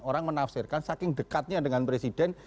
orang menafsirkan saking dekatnya dengan presiden